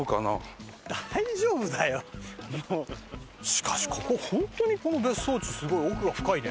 しかしここ本当にこの別荘地すごい奥が深いね。